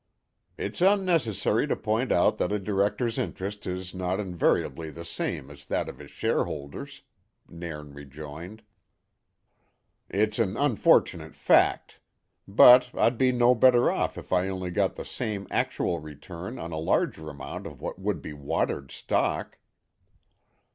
"It's unnecessary to point out that a director's interest is no invariably the same as that of his shareholders," Nairn rejoined. "It's an unfortunate fact. But I'd be no better off if I only got the same actual return on a larger amount of what would be watered stock."